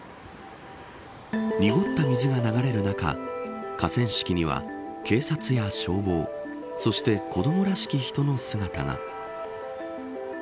濁った水が流れる中河川敷には、警察や消防そして、子どもらしき人の姿が。